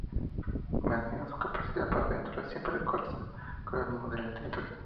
Me admira su capacidad para aventurarse siempre en el corazón mismo de la literatura".